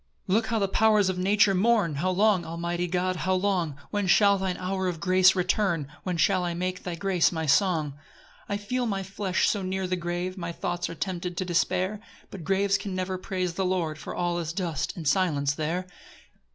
4 Look how the powers of nature mourn! How long, almighty God, how long? When shall thine hour of grace return? When shall I make thy grace my song? 5 I feel my flesh so near the grave, My thoughts are tempted to despair; But graves can never praise the Lord, For all is dust and silence there.